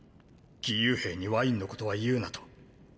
義勇兵にワインのことは言うなと。